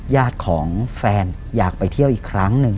ญาติของแฟนอยากไปเที่ยวอีกครั้งหนึ่ง